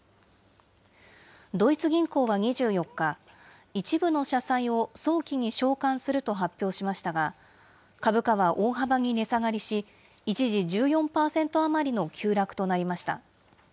ドイツ銀行は２４日、一部の社債を早期に償還すると発表しましたが、株価は大幅に値下がりし、一時１４％余りの急落となりました。